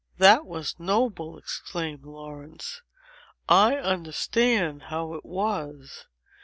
"That was noble!" exclaimed Laurence. "I understand how it was.